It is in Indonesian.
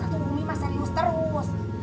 atau umi mah serius terus